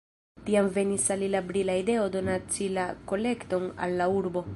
Tiam venis al li la brila ideo donaci la kolekton al la urbo.